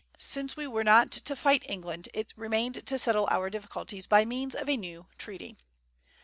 Since we were not to fight England, it remained to settle our difficulties by means of a new treaty.